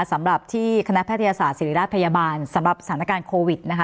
สำหรับที่คณะแพทยศาสตร์ศิริราชพยาบาลสำหรับสถานการณ์โควิดนะคะ